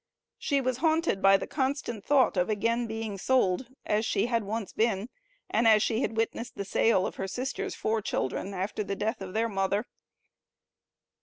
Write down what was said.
She was haunted by the constant thought of again being sold, as she had once been, and as she had witnessed the sale of her sister's four children after the death of their mother.